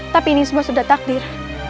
tapi ini semua sudah takdir